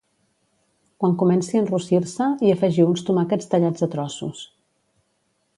Quan coomenci a enrossir-se hi afegiu uns tomàquets tallats a trossos